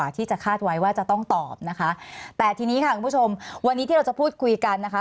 ต้องตอบนะคะแต่ทีนี้ค่ะคุณผู้ชมวันนี้ที่เราจะพูดคุยกันนะคะ